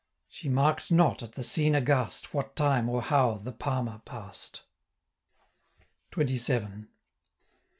She mark'd not, at the scene aghast, What time, or how, the Palmer pass'd. XXVII.